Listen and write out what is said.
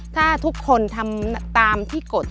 ถ้าทุกคนทำตามที่กฎ